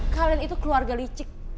kalian itu keluarga licik